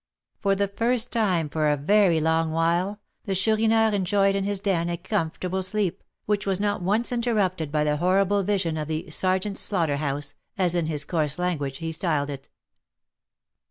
For the first time for a very long while, the Chourineur enjoyed in his den a comfortable sleep, which was not once interrupted by the horrible vision of the "Sergeant's slaughter house," as, in his coarse language, he styled it.